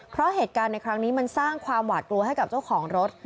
เพราะเหตุการณ์ในครั้งนี้มันสร้างความหวาดกลัวให้กับเจ้าของรถ